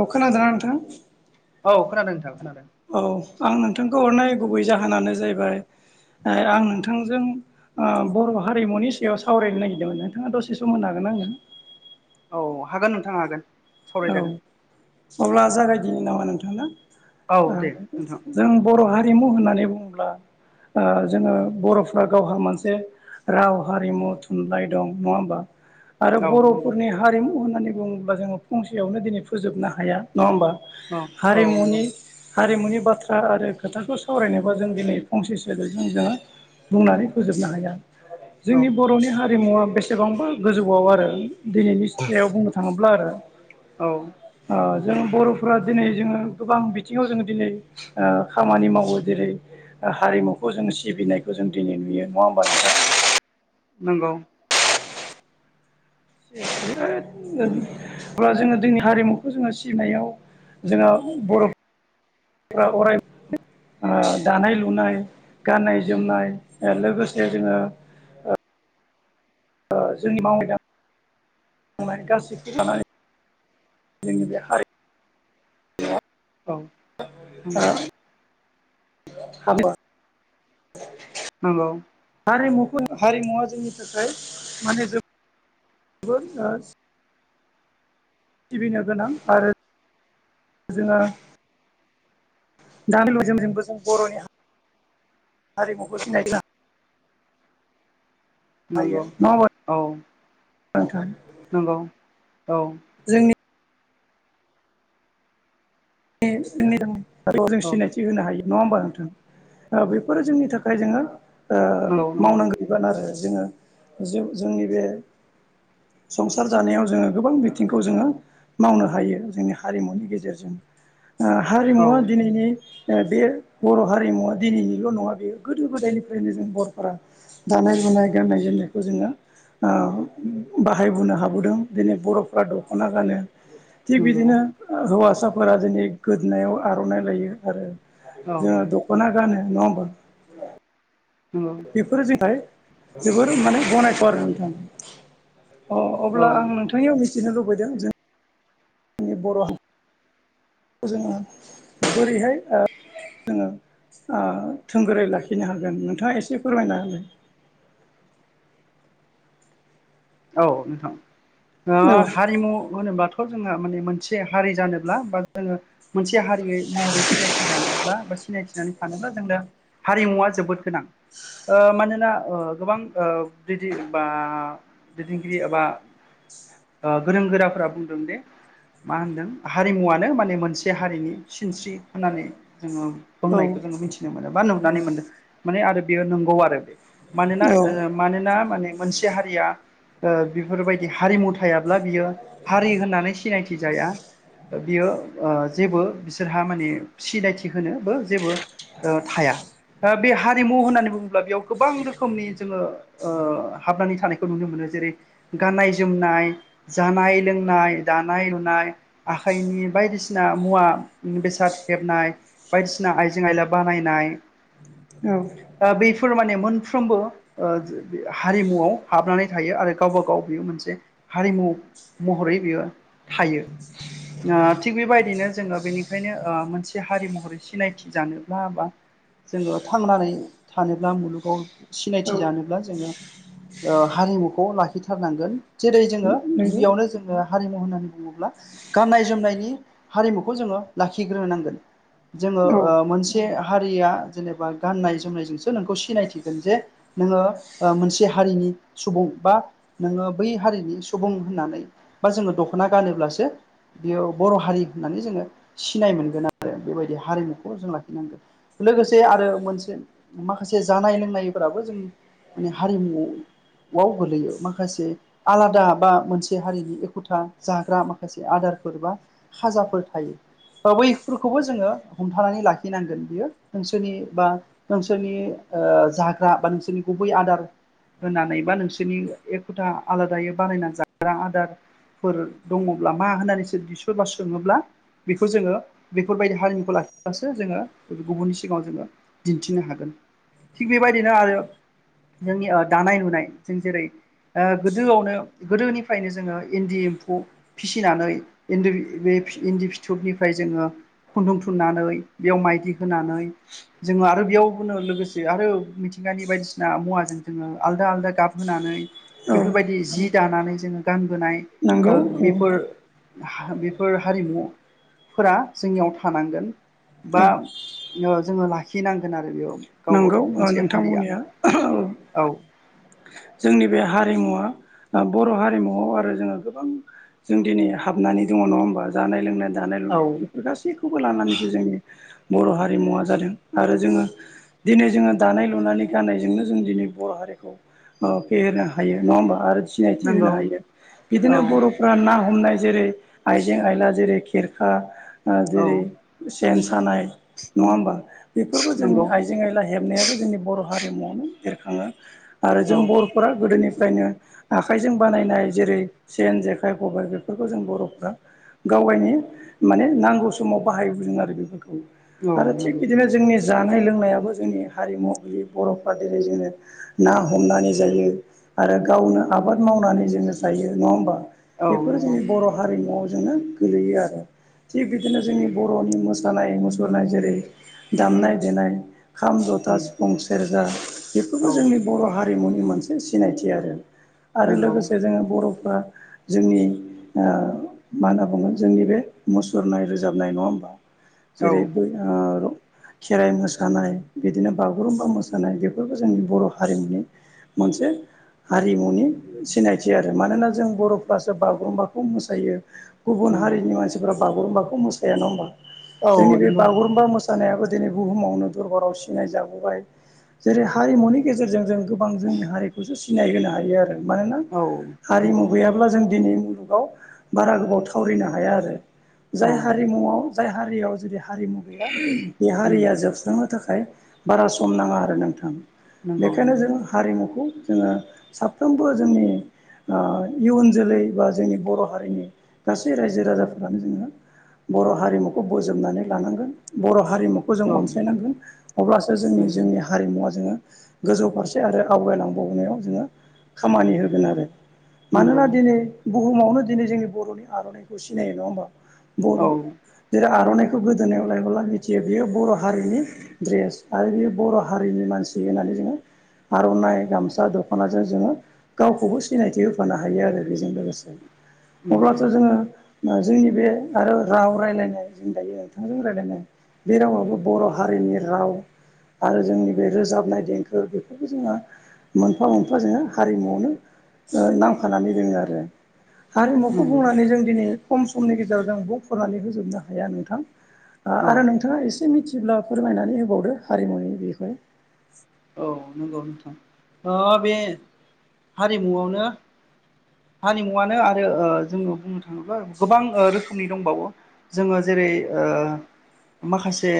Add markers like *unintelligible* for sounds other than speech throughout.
अ खोनादों नोंथाङा? औ खोनादों नोंथां खोनादों। औ आं नोंथांखौ हरनाय गुबै जाहोनानो जाहैबाय आं नोंथांजों ओ बर' हारिमुनि सायाव सावरायनो नागिरदोंमोन नोंथाङा दसे सम होनो हागोनना आंनो? औ हागोन नोंथां हागोन। औ सावरायजागोन अब्ला जागायदिनि नामा नोंथांना औ। दे नोंथां जों बर' हारिमु होननानै बुङोब्ला ओ जोङो बर'फ्रा गावहा मोनसे राव हारिमु थुनलाइ दं नङा होमा? आरो औ नंगौ बर'फोरनि हारिमु होननानै बुङोब्ला जोङो फंसेयावनो दिनै फोजोबनो हाया नङा होमबा। औ औ नंगौ हारिमुनि हारिमुनि बाथ्रा आरो खोथाखौ सावरायनोबा जों दिनै फंसेसै जों जोङो बुंनानै फोजोबनो हाया। औ जोंनि बर'नि हारिमुवा बेसेबांबा गोजौआव आरो दिनैनि *unintelligible* बुंनो थाङोब्ला आरो। औ ओ जों बर'फोरा दिनै जोङो गोबां बिथिङाव जोङो दिनै ओ खामानि मावो जेरै हारिमुखौ जों सिबिनायखौ जों दिनै नुयो नङा होमबा नोंथां। नंगौ। अब्ला जोङो जोंनि हारिमुखौ जोङो सिबिनायाव जोंहा बर' जोङो अराय ओ दानाय लुनाय गाननाय जोमनाय ओ लोगोसे जोङो ओ जोंनि मावनाय दां मावनायनि गासैखौ लानानै जोंनि बे हारि औ नंगौ। *unintelligible* नंगौ। हारिमुखौ हारिमुवा जोंनि थाखाय माने जोबो *unintelligible* सिबिनो गोनां आरो जोङो *unintelligible* जोम जोंबो जों बर'नि *inaudible* हारिमुखौ सिनाय *unintelligible* हायो नंगौ औ *unintelligible* नंगौ औ जोंनि *unintelligible* जों सिनायथि थि होनो हायो नङा होनबा नोंथां? बेफोरो जोंनि थाखाय जोङो ओ नंगौ नंगौ मावनांगौ बिबान आरो जोङो जों जोंनि बे संसार जानायाव जोङो गोबां बिथिंखौ जोङो मावनो हायो जोंनि हारिमुनि गेजेरजों ओ औ हारिमुवा दिनैनि बे बर' हारिमुवा दिनैनिल' नङा बेयो गोदो गोदायनिफ्रायनो जों बर'फोरा दानाय लुनाय गान्नाय जोमनायखौ जोङो ओ बाहायबोनो हाबोदों दिनै बर'फ्रा दख'ना गानो। थिग नंगौ बिदिनो हौवासाफोरा दिनै गोदोनायाव आर'नाइ लायो आरो औ जों दख'ना गानो नङा होमबा? नंगौ बेफोरजोंहाय जोबोर माने गनायथाव आरो नोंथां। अ औ अब्ला आं नोंथांनियाव मिथिनो लुबैदों जों जोंनि बर' हारि *inaudible* जोङो बोरैहाय ओ जोङो ओ थोंगोरै लाखिनो हागोन नोंथाङा एसे फोरमायना होलाय? औ नोंथां औ जोङो हारिमु होनोब्लाथ' खौ जोङो माने मोनसे हारि जानोब्ला बा जोङो मोनसे हारियै महरै सिनायथि जानोब्ला बा सिनायथिनानै थानोब्ला जोंनो हारिमुवा जोबोद गोनां ओ मानोना ओ गोबां ओ बिदि बा दैदेनगिरि एबा गोरों गोराफोरा बुंदोंदि मा होनदों हारिमुवानो माने मोनसे हारिनि सिनस्रि होननानै बुङो। औ बुंनायखौ जोङो मिथिनो मोनो बा नुनानै मोनदों माने आरो बेयो नंगौ आरो बे मानोना ओ मानोना माने मोनसे हारिया ओ बिफोरबायदि हारिमु थायाब्ला बियो हारि होननानै सिनायथि जाया। बियो ओ जेबो बिसोरहा माने सिनायथि होनोबो जेबो *inaudible* दा बे हारिमु होननानै बुङोब्ला बेयाव गोबां रोखोमनि जोङो ओ हाबनानै थानायखौ नुनो मोनो जेरै गाननाय जोमनाय जानाय लोंनाय दानाय लुनाय आखाइनि बायदिसिना मुवा बेसाद हेबनाय बायदिसिना आइजें आइला बानायनाय औ दा बेफोर माने मोनफ्रोमबो ओ हारिमुआव हाबनानै थायो आरो गावबा गाव बियो मोनसे हारिमु महरै बियो थायो। आ थिग बेबायदिनो जोङो बेनिखायनो आ‌ मोनसे हारि महरै सिनायथि जानोब्ला बा जोङो थांनानै थानोब्ला मुलुगाव सिनायथि जानोब्ला जोङो ओ हारिमुखौ लाखिथारनांगोन जेरै जोङो गिबियावनो जोङो हारिमु होननानै बुङोब्ला गाननाय जोमनायनि हारिमुखौ जोङो लाखिग्रोनांगोन। जोङो औ ओ नंगौ मोनसे हारिया जेनेबा गाननाय जोमनायजोंसो नोंखौ सिनायथिगोन जे नोङो ओ मोनसे हारिनि सुबुं बा नोङो बै हारिनि सुबुं होननानै बा जोङो दख'ना गानोब्लासो बेयो बर' हारि होननानै जोङो सिनाय मोनगोन आरो बेबायदि हारिमुखौ जों लाखिनांगोन। लोगोसे आरो मोनसे माखासे जानाय लोंनायफोराबो जोंनि माने हारिमुआव वाव गोलैयो माखासे आलादा बा मोनसे हारिनि एखुथा जाग्रा माखासे आदारफोर बा खाजाफोर थायो। बा बैफोरखौबो जोङो हमथानानै लाखिनांगोन बियो ओनसोलनि बा नोंसोरनि जाग्रा बा नोंसोरनि गुबै आदार होननानै बा नोंसोरनि एखुथा आलादायै बानायना जाग्रा आदार फोर दङब्ला मा होननानै सो-बि-सोरबा सोङोब्ला बेखौ जोङो बेफोरबायदि हारिमुखौ लाखिब्लासो जोङो गुबुननि सिगाङाव जोङो दिन्थिनो हागोन थिग बेबायदिनो आरो जोंनि ओ दानाय लुनाय जों जेरै ओ गोदोआवनो गोदोनिफ्रायनो जोङो इन्दि एम्फौ फिसिनानै इदि बे इन्दि फिथोबनिफ्राय जोङो खुन्दुं थुननानै बेयाव माइदि होनानै जोङो आरो बेयाव फोनो लोगोसे आरो मिथिंगानि बायदिसिना मुवाजों जोङो आलदा आलदा गाब होनानै औ बेफोरबायदि जि दानानै जोङो गानबोनाय नंगौ ओ औ बेफोर हा बेफोर हारिमु फोरा जोंनियाव थानांगोन औ बा जोङो लाखिनांगोन आरो बेयाव। गावबा नोंगौ गाव ओ मोनसे नोंथां हारिया बुंनाया औ। औ जोंनि बे हारिमुवा ओ बर' हारिमुआव आरो जोङो गोबां जों दिनै हाबनानै दङ नङा होमबा? जानाय लोंनाय दानाय लुनाय औ बेफोर गासै खौबो लानानैसो जोंनि बर' हारिमुवा जादों आरो जोङो दिनै जोङो दानाय लुनानै गाननायजोंनो जों दिनै बर' हारिखौ फेहेरनो हायो नङा होमबा आरो सिनायथि नंगौ होनो हायो औ बिदिनो बर' ना हमनाय जेरै आइजें आइला जेरै खेरखा ओ औ जेरै सेन सानाय नङा होमबा? बेफोरबो जोंनि नंगौ आइ जें आइला हेबनायाबो जोंनि बर' हारिमुवावनो बेरखाङो आरो औ जों बर' फोरा गोदोनिफ्रायनो आखाइजों बानायनाय जेरै सेन, जेखाइ, खबाय बेफोरखौ जों बर'फ्रा गावगायनि माने नांगौ समाव बाहायबोदों आरो बेफोरखौ। औ आरो थिग नंगौ बिदिनो जोंनि जानाय लोंनायाबो जोंनि हारिमु बि बर'फ्रा बेबायदिनो ना हमनानै जायो आरो गावनो आबाद मावनानै जोङो जायो नङा होमबा? औ बेफोरो नंगौ जोंनि बर' हारिमुआव जोङो गोलैयो आरो। थिग बिदिनो जोंनि बर'नि मोसानाय मुसुरनाय जेरै दामनाय देनाय खाम, जथा, उम सिफुं, सेरजा बेफोरबो औ जोंनि बर' हारिमुनि मोनसे सिनायथि आरो आरो नंगौ लोगोसे जोङो बर'फ्रा जोंनि ओ मा होनना बुगोन जोंनि बे मुसुरनाय रोजाबनाय नङा होमबा? औ जेरै बै ओ खेराइ मोसानाय, बिदिनो बागुरुमबा मोसानाय बेफोरबो जोंनि बर' हारिमुनि मोनसे हारिमुनि सिनायथि आरो मानोना जों बर'फ्रासो बागुरुम्बाखौ मोसायो। गुबुन नंगौ हारिनि मानसिफोरा बागुरुम्बाखौ मोसाया नङा होमबा? औ जोंनि बे नंगौ बागुरुम्बा मोसा नायाबो दिनै बुहुमावनो दरबाराव सिनाय जाबोबाय जेरै हारिमुनि गेजेरजों जों गोबां जोंनि हारिखौसो सिनाय होनो हायो आरो। मानोना औ हारिमु नंगौ गैयाब्ला जों दिनै मुलुगाव बारा गोबाव थावरिनो हाया आरो। औ जाय उम हारिमुआव जाय हारियाव जुदि हारिमु गैया बे हारिया जोबस्रांनो थाखाय बारा सम नाङा आरो नोंथां नंगौ बेखायनो नंगौ जों हारिमुखौ जोङो साफ्रोमबो जोंनि ओ इयुन जोलै बा जोंनि बर' हारिनि गासै रायजो राजाफ्रानो जोङो बर' हारिमुखौ बोज'बनानै लानांगोन बर' हारिमु खौ जों औ अनसायनांगोन अब्लासो जोंनि नंगौ जोंनि हारिमुवा जोङो गोजौ फारसे आरो आवगायलांबावनायाव जोङो खामानि होगोन आरो। नंगौ मानोना दिनै बुहुमावनो दिनै जोंनि बर'नि आर'ननाइखौ सिनायो नङा होमबा? औ जेरै आर'ननाइखौ गोदोनायाव लायोबोला मिथियो बेयो बर' हारिनि ड्रेस आरो बेयो बर' हारिनि मानसि होननानै जोंङो आर'ननाइ गामसा दख'नाजों जोंङो गावखौबो सिनायथि होफानो हायो आरो बेजों लोगोसे। नंगौ अब्लाथ' जोङो जोंनि बे आरो राव रायज्लायनाय जों दायो नोंथांजों रायज्लायनाय बे रावाबो बर' हारिनिया राव मोनफा मोनफा जोंङो हारिमुआवनो नांफानानै दोंङो आरो आरो मुफु नंगौ बुंनानै जों दिनैयो खम समनि गेजेरावजों बख'नानै होजोबनो हाया नोंथां औ आरो नोंथांङा एसे मिथि जेब्ला फोरमायनानै होबावदो हारिमुनि बेबुं औ नंगौ नोंथां बे हारिमुआवनो हारिमुवनो आरो जोंङो बुंनो थांङोब्ला गोबां रोखोमनि दंबावो जोंङो जेरै ओ माखासे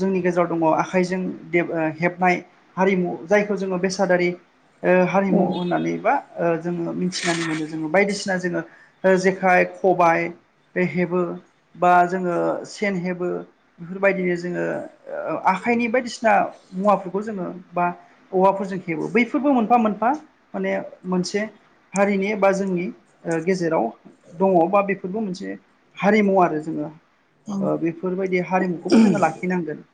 जोंनि गेजेराव दंङ आखाइजों हेबनाय हारिमु जायखौ जोंङो बेसादारि औ हारिमु होननानै बा ओ जोंङो मिथिनानै मोनो जोंङो बायदिसिना जोंङो जेखाइ खबाय बे हेबो बा जोंङो सेन हेबो बेफोरबायदिनो जोंङो आखाइनि बायदिसिना मुवाफोरखौ जोंङो बा औवाफोरजों खेबो बैफोरबो मोनफा मोनफा माने मोनसे हारिनि एबा जोंनि गेजेराव दंङ बा बेफोरबो मोनसे हारिमु आरो जोंङो बेफोरबायदि हारिमुखौबो जोंङो लाखिनांगोन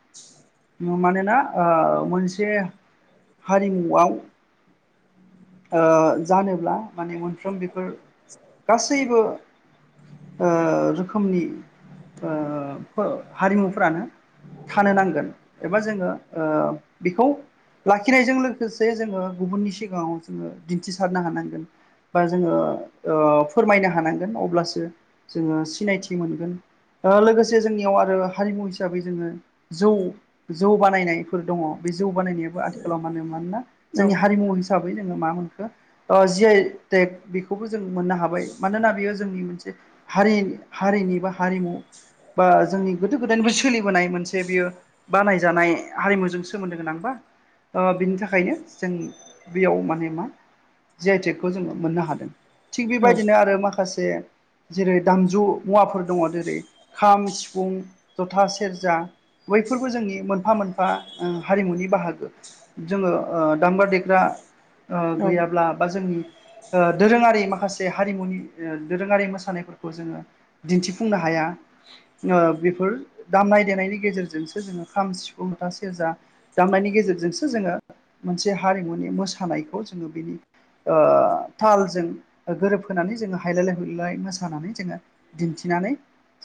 मानोना ओ मोनसे हारिमुआव ओ जानोब्ला माने मोनफ्रोम बेफोर गासैबो ओ रोखोमनि ओ फो हारिमुफ्रानो थानो नांगोन एबा जोंङो ओ बेखौ लाखिनायजों लोगोसे जोंङो गुबुननि सिगांङाव जोंङो दिन्थिसारनो हानांगोन बा जोंङो ओ फोरमायनो हानांगोन अब्लासो जोंङो सिनायथि मोनगोन लोगोसे जोंनियाव आरो हारिमु हिसाबै जोंङो जौ जौ बानायनायफोर दंङ बे जौ बानायनायाबो आथिखालाव मा होनो मानोना जोंनि हारिमु हिसाबै जोंङो मा मोनखो जि आइ टेग बेखौबो जों मोननो हाबाय मानोना बेयो जोंनि मोनसे हारि हारिनि बा हारिमु बा जोंनि गोदो गोदायनिबो सोलिबोनाय मोनसे बियो बानायजानाय हारिमुजों सोमोन्दो गोनांबा बिनि थाखायनो जों बेयाव माने मा जि आइटेकखौ जोंङो मोननो हादों थिग औ बेबायदिनो आरो माखासे जेरै दामजु मुवाफोर दंङ जेरै खाम सिफुं जथा सेरजा बैफोरबो जोंनि मोनफा मोनफा ओ हारिमुनि बाहागो जोंङो ओ दामब्रा देग्रा ओ औ गैयाब्ला बा जोंनि दोरोंङारि माखासे हारिमुनि दोरोंङारि मोसानायफोरखौ जोंङो दिन्थिफुंनो हाया बेफोर दामनाय देनायनि गेजेरजोंसो जोंङो खाम सिफुं जथा सेरजा दामनायनि गेजेरजोंसो जोङो मोनसे हारिमुनि मोसानायखौ जोंङो बेनि ओ तालजों गोरोबहोनानै जोंङो हायलायलाय हुलाय मोसानानै जोंङो दिन्थिनानै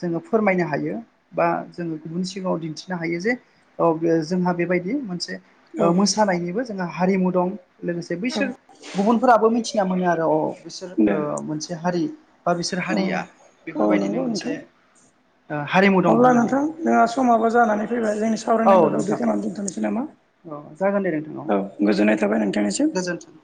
जोंङो फोरमायनो हायो बा जोंङो गुबुन सिगांङाव दिन्थिनो हायो जे औ जोंहा बेबायदि मोनसे औ मोसानायनिबो जोंहा हारिमु दं लोगोसे औ बैसोर गुबुनफोराबो मिथिना मोनो आरो अ बिसोर दे ओ मोनसे हारि बा बिसोर औ हारिया औ बेफोरबायदिनो नंगौ नोंथां मोनसे ओ हारिमु दं अब्ला होननानै नोंथां जोंहा समाबो जानानै फैबाय जोंनि औ सावरायनांगौखौ बे नोंथां खनानै दोनथ'नोसै नामा औ जागोन दे नोंथां औ गोजोननाय थाबाय नोंथां निसिम गोजोन्थों।